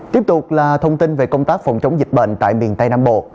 tiếp tục là thông tin về công tác phòng chống dịch bệnh tại miền tây nam bộ